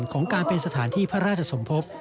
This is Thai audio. ของการเป็นสถานที่พระราชสมภพ